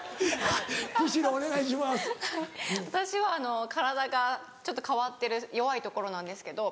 はい私は体がちょっと変わってる弱いところなんですけど。